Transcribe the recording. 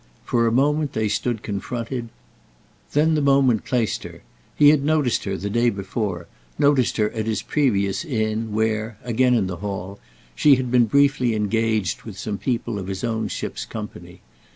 For a moment they stood confronted; then the moment placed her: he had noticed her the day before, noticed her at his previous inn, where—again in the hall—she had been briefly engaged with some people of his own ship's company.